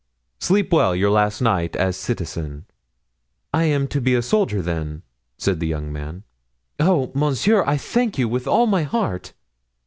Sleep well your last night as citizen." "I am to be a soldier then?" said the young man. "Oh, monsieur, I thank you with all my heart."